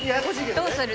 どうする？